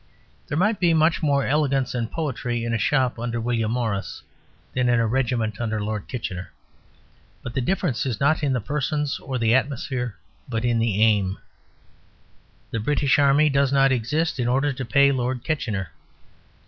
There might be much more elegance and poetry in a shop under William Morris than in a regiment under Lord Kitchener. But the difference is not in the persons or the atmosphere, but in the aim. The British Army does not exist in order to pay Lord Kitchener.